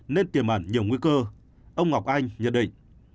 nên tiềm ẩn nhiều nguy cơ ông ngọc anh nhận định